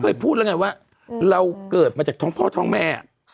เคยพูดแล้วไงว่าเราเกิดมาจากท้องพ่อท้องแม่